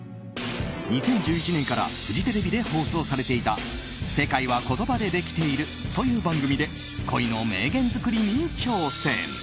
２０１１年からフジテレビで放送されていた「世界は言葉でできている」という番組で恋の名言作りに挑戦。